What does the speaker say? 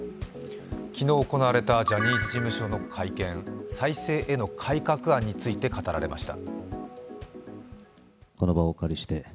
昨日行われたジャニーズ事務所の会見再生への改革案について語られました。